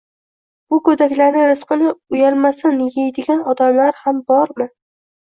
Shu go‘daklarni rizqini uyalmasdan yeydigan odamlar ham bormi